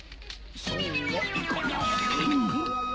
そうはいかない！